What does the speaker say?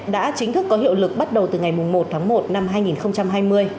đã chính thức có hiệu lực bắt đầu từ ngày một tháng một năm hai nghìn hai mươi